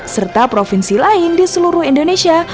serta provinsi lain di seluruh indonesia